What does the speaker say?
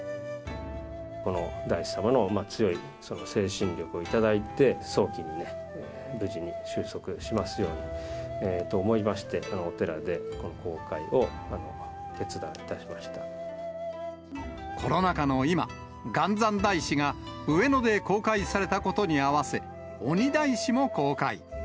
この大師様の強い精神力を頂いて、早期に無事に収束しますようにと思いまして、お寺で公開を決断いコロナ禍の今、元三大師が上野で公開されたことに合わせ、鬼大師も公開。